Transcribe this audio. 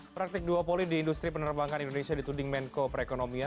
prakteg duopoly di industri penerbangan indonesia di tuding menko perekonomian